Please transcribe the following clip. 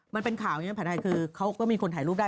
มันเป็นข่าวอย่างนี้แผนไทยคือเขาก็มีคนถ่ายรูปได้